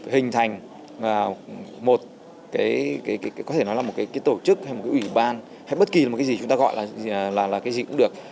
hình thành một tổ chức một ủy ban hay bất kỳ gì chúng ta gọi là gì cũng được